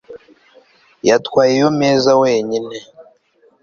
Yatwaye iyo meza wenyine